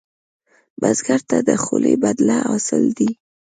بزګر ته د خولې بدله حاصل دی